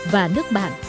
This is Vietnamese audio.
và nước bạn